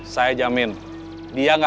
saya jamin dia gak akan marah